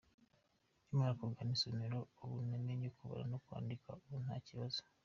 Nkimara kugana isomero ubu namenye kubara no kwandika ubu nta kibazo.